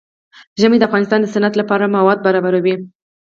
ژمی د افغانستان د صنعت لپاره مواد برابروي.